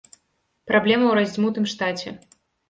Праблема ў раздзьмутым штаце.